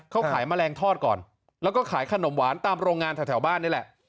เขาขายแมลงทอดก่อนแล้วก็ขายขนมหวานตามโรงงานแถวบ้านนี่แหละ